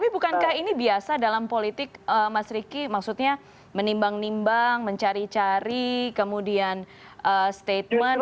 tapi bukankah ini biasa dalam politik mas riki maksudnya menimbang nimbang mencari cari kemudian statement